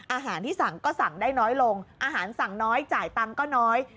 อาหารที่สั่งก็สั่งได้น้อยลงอาหารสั่งน้อยจ่ายตังค์ก็น้อย